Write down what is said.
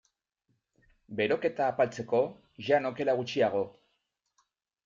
Beroketa apaltzeko, jan okela gutxiago.